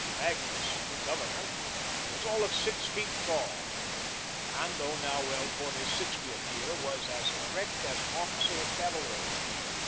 Magnus the Governor was all of six feet tall, and though now well toward his sixtieth year, was as erect as an officer of cavalry.